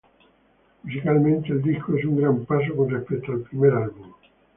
Musicalmente el disco es un gran paso con respecto al primer álbum.